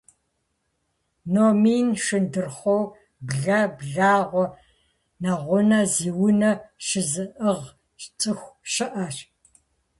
Номин, шындурхъуо, блэ, благъуэ, нэгъунэ зи унэ щызыӏыгъ цӏыху щыӏэщ.